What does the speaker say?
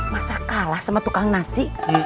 masa kalah sama tukang nasi